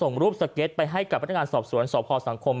ส่งรูปศักดิ์กรับไปให้กับพนักงานสอบสวนสอบภอค์สังคม